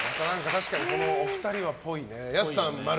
確かにこのお二人は、っぽいね。安さん、○。